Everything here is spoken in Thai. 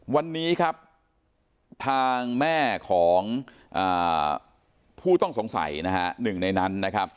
วันนี้ครับทางแม่ของผู้ต้องสงสัยนะฮะหนึ่งในนั้นนะครับ